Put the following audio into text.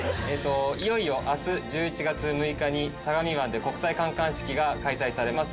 いよいよ明日１１月６日に相模湾で国際観艦式が開催されます。